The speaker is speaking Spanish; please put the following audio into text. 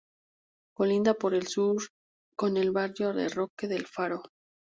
Colinda por el Sur con el barrio de Roque del Faro.